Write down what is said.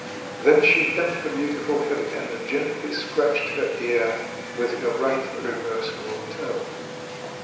Then she bent her beautiful head and gently scratched her ear with her right reversible toe.